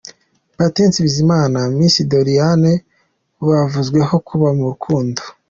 Patient Bizimana na Miss Doriane bavuzweho kuba mu rukundo.